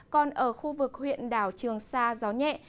còn ở khu vực huyện đảo trường sa gió nhẹ